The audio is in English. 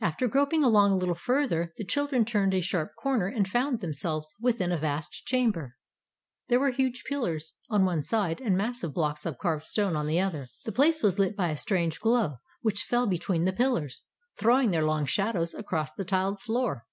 After groping along a little further, the children turned a sharp corner and found themselves within a vast chamber. There were huge pillars on one side, and massive blocks of carved stone on the other. The place was lit by a strange glow which fell between the pillars, throwing their long shadows across the tiled floor.